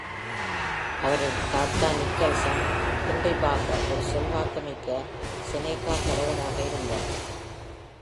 அவரது தாத்தா Nicholson Henry Parker ஒரு செல்வாக்கு மிக்க Seneca தலைவராக இருந்தார்.